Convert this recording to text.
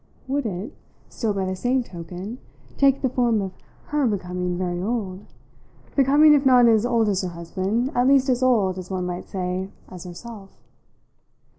Would it, still by the same token, take the form of her becoming very old, becoming if not as old as her husband, at least as old, as one might say, as herself?